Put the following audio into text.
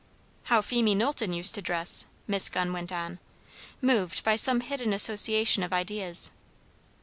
"How Phemie Knowlton used to dress!" Miss Gunn went on, moved by some hidden association of ideas.